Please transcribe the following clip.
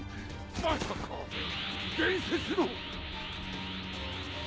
まさか伝説の！？